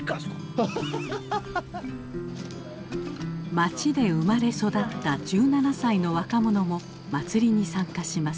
町で生まれ育った１７歳の若者も祭りに参加します。